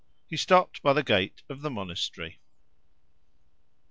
He stopped by the gate of the monastery.